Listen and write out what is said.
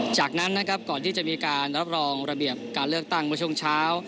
จากนั้นนะครับก่อนที่จะมีการรับรองระเบียบการเลือกตั้งเมื่อช่วงเช้า